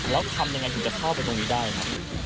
แล้วทำยังไงถึงจะเข้าไปตรงนี้ได้ครับ